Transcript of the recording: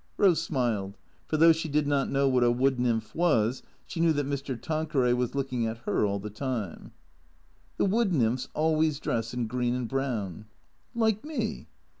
, Rose smiled ; for though she did not know what a wood nymph was, she knew that Mr. Tanqueray was looking at her all the time. " The wood nymphs always dress in green and brown." "Like me?"